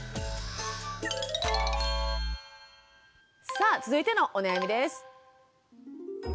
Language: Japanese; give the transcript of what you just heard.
さあ続いてのお悩みです。